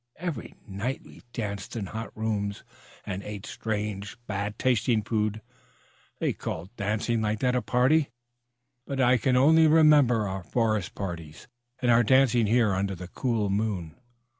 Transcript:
Every night we danced in hot rooms and ate strange bad tasting food. They called dancing like that a party. But I could only remember our forest parties, and our dancing here under the cool moon.